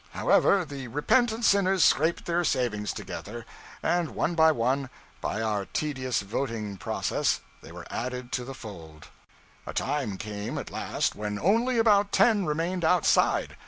However, the repentant sinners scraped their savings together, and one by one, by our tedious voting process, they were added to the fold. A time came, at last, when only about ten remained outside.